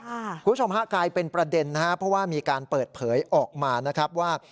คุณผู้ชมฮะกลายเป็นประเด็นนะครับเพราะว่ามีการเปิดเผยออกมานะครับว่า